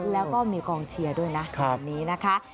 แล้วก็มีกองเชียร์ด้วยนะแบบนี้นะคะ